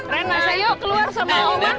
rena sayang yuk keluar sama oma